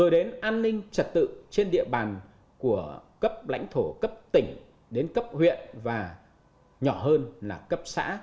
đến an ninh trật tự trên địa bàn của cấp lãnh thổ cấp tỉnh đến cấp huyện và nhỏ hơn là cấp xã